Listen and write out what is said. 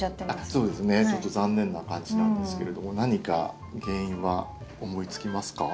そうですねちょっと残念な感じなんですけれども何か原因は思いつきますか？